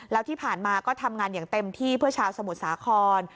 แล้วที่ผ่านมาก็ทำงานอย่างเต็มที่เพื่อชาวสมุทรสาคร